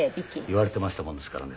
言われてましたもんですからね。